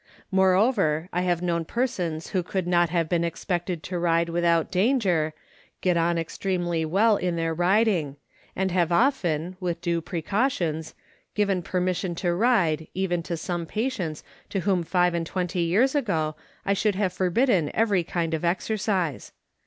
Moreover, I have known persons who could not have been expected to ride without danger get on extremely well in their riding, and have often, with due precautions, given permission to ride even to some patients to whom five and twenty years ago I should have forbidden every kind of exercise.